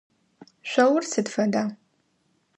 Шъоур сыд фэда?